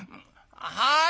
はい！